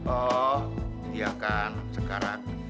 oh iya kan sekarang